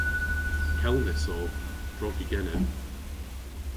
"Kelmys ov, drog yw genev."